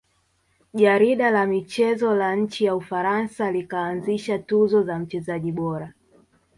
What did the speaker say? Jarida la michezo la nchi ya ufaransa likaanzisha tuzo za mchezaji bora